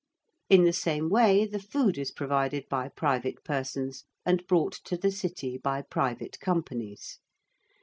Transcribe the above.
In the same way the food is provided by private persons and brought to the city by private companies.